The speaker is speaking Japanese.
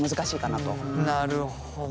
なるほど。